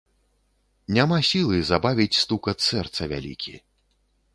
Няма сілы забавіць стукат сэрца вялікі.